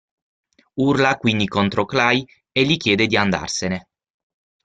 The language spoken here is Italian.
Urla quindi contro Clay e gli chiede di andarsene.